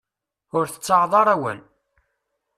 Ur tettaɣeḍ ara awal.